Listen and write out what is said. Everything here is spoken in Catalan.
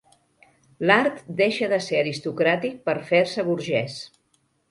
L'art deixa de ser aristocràtic per fer-se burgès.